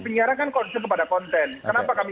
penyiaran kan konsen kepada konten kenapa kami